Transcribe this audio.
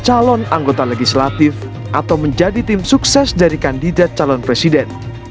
calon anggota legislatif atau menjadi tim sukses dari kandidat calon presiden